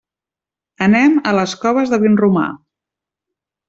Anem a les Coves de Vinromà.